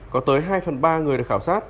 có tới hai phần ba người được khảo sát